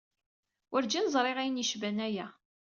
Werǧin ẓriɣ ayen yecban aya.